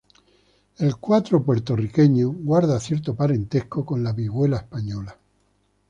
El cuatro puertorriqueño guarda cierto parentesco con la vihuela española.